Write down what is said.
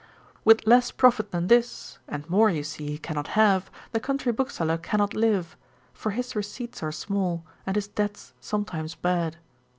'With less profit than this, and more you see he cannot have, the country bookseller cannot live; for his receipts are small, and his debts sometimes bad.